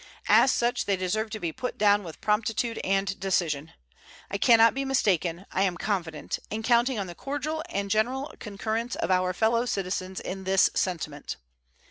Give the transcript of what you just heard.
As such they deserve to be put down with promptitude and decision. I can not be mistaken, I am confident, in counting on the cordial and general concurrence of our fellow citizens in this sentiment.